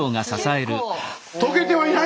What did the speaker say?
解けてはいないぞ！